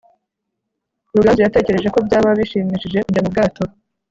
ruganzu yatekereje ko byaba bishimishije kujya mu bwato